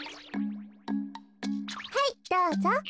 はいどうぞ。